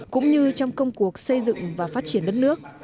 cũng như trong công cuộc xây dựng và phát triển đất nước